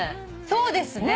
そうですか。